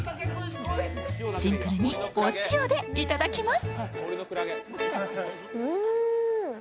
シンプルにお塩で頂きます。